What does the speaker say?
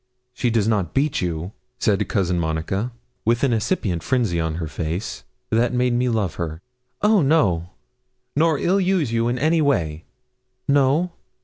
'She does not beat you?' said Cousin Monica, with an incipient frenzy in her face that made me love her. 'Oh no!' 'Nor ill use you in any way?' 'No.'